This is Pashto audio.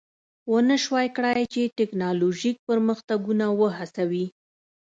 ونشوای کړای چې ټکنالوژیک پرمختګونه وهڅوي